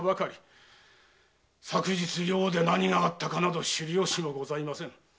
昨日寮で何があったかなど知るよしもございません。